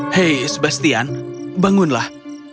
hei sebastian bangunlah